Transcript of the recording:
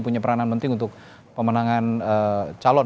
punya peranan penting untuk pemenangan calon